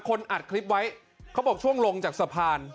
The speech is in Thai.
อัดคลิปไว้เขาบอกช่วงลงจากสะพาน